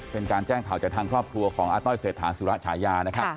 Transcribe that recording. เป็นการแจ้งข่าวจากทางครอบครัวของอาต้อยเศรษฐาสุระฉายานะครับ